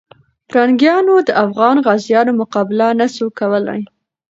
پرنګیانو د افغان غازیانو مقابله نسو کولای.